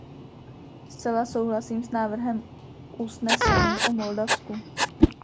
Zcela souhlasím s návrhem usnesení o Moldavsku.